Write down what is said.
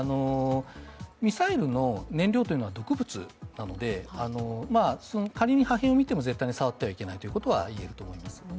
ミサイルの燃料というのは毒物なので、仮に破片を見ても触ってはいけないと言えると思います。